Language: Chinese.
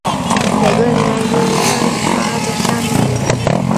每个连由连长与他的下命令。